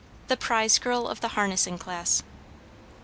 THE PRIZE GIRL OF THE HARNESSING CLASS.